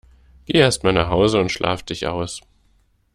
Geh erst mal nach Hause und schlaf dich aus!